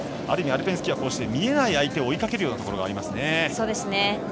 ある意味、アルペンスキーは見えない相手を追いかけるようなところがありますね。